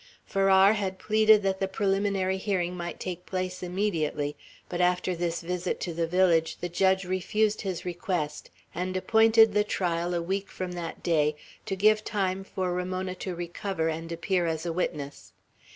Farrar had pleaded that the preliminary hearing might take place immediately; but after this visit to the village, the judge refused his request, and appointed the trial a week from that day, to give time for Ramona to recover, and appear as a witness.